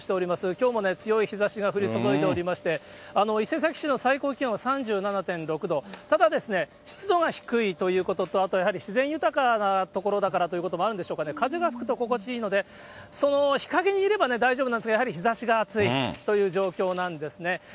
きょうも強い日ざしが降り注いでおりまして、伊勢崎市の最高気温３７．６度、ただ、湿度が低いということと、あとやはり自然豊かな所だからということもあるんでしょうかね、風が吹くと心地いいので、その日陰にいれば大丈夫なんですが、やはり日ざしが暑いという状況なんですね。